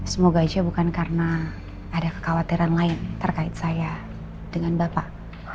semoga aja bukan karena ada kekhawatiran lain terkait saya dengan bapak